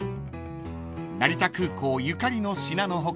［成田空港ゆかりの品の他